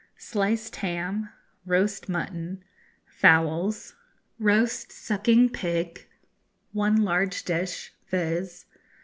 Sliced Ham Roast Mutton Fowls Roast Sucking Pig 1 large dish, viz.